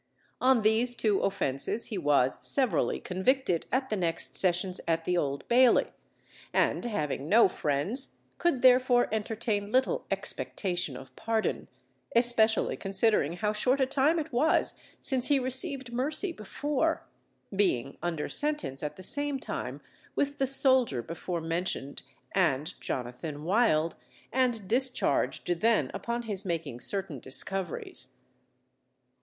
On these two offences he was severally convicted at the next sessions at the Old Bailey; and having no friends, could therefore entertain little expectation of pardon; especially considering how short a time it was since he received mercy before; being under sentence at the same time with the soldier before mentioned and Jonathan Wild, and discharged then upon his making certain discoveries.